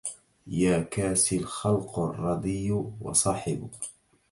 يا كاسي الخلق الرضي وصاحب